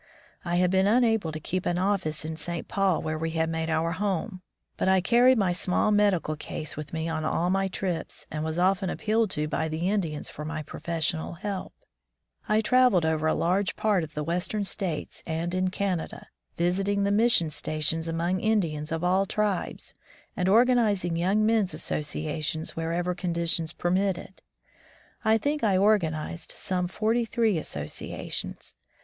I had been unable to keep an oflSce in St. Paul, where we made our home, but I carried my small medical 140 Civilization as Preached and Practised case with me on all my trips, and was often appealed to by the Indians for my profes sional help. I traveled over a large part of the western states and in Canada, visiting the mission stations among Indians of all tribes, and organizing young men's asso ciations wherever conditions permitted. I think I organized some forty three associa tions.